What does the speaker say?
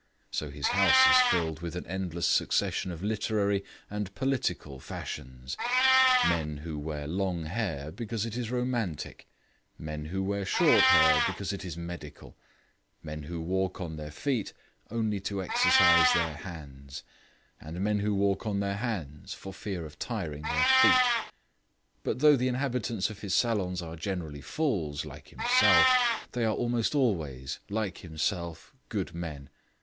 So his house is filled with an endless succession of literary and political fashions; men who wear long hair because it is romantic; men who wear short hair because it is medical; men who walk on their feet only to exercise their hands; and men who walk on their hands for fear of tiring their feet. But though the inhabitants of his salons are generally fools, like himself, they are almost always, like himself, good men.